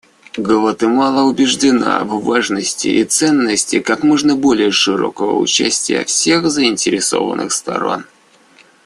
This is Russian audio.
Гватемала убеждена в важности и ценности как можно более широкого участия всех заинтересованных сторон.